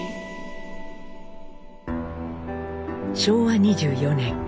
昭和２４年。